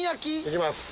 行きます。